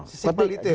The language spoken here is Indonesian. sisi simpel itu ya pak